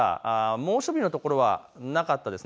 猛暑日のところはなかったです。